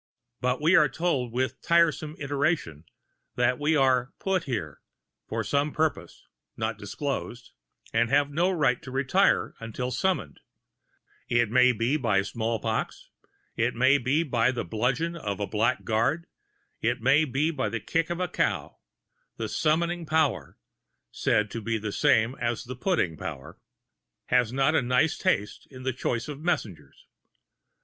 But we are told with tiresome iteration that we are "put here" for some purpose (not disclosed) and have no right to retire until summoned it may be by small pox, it may be by the bludgeon of a blackguard, it may be by the kick of a cow; the "summoning" Power (said to be the same as the "putting" Power) has not a nice taste in the choice of messengers.